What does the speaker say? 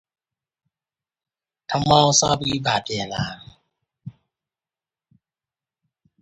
It's like having only ferocious dinosaurs.